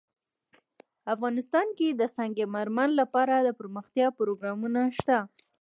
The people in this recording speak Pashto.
افغانستان کې د سنگ مرمر لپاره دپرمختیا پروګرامونه شته.